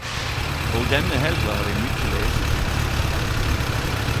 Og denne helga har eg mykje lesetid.